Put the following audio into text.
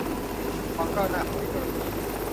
ความก้าวหน้าของเทคโนโลยี